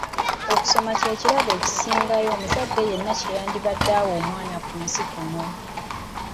Okusoma kye kirabo ekisingayo omuzadde yenna kye yandibadde awa omwana ku nsi kuno.